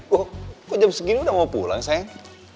wah kok jam segini udah mau pulang saya